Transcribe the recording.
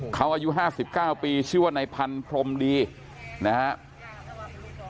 เขาอายุ๕๙ปีชื่อว่าในพันธมดีนะครับ